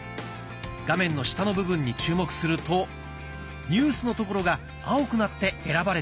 画面の下の部分に注目すると「ニュース」の所が青くなって選ばれています。